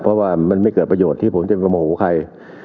เพราะว่ามันไม่เกิดประโยชน์ที่ผมจะมาโมโหใคร